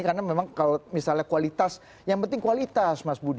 karena memang kalau misalnya kualitas yang penting kualitas mas bu